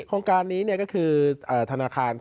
โครงการนี้ก็คือธนาคาร